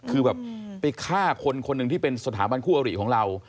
คือแบบไปฆ่าคนคนหนึ่งที่เป็นสถาบันคู่อริของเรา